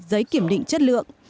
giấy kiểm định chất lượng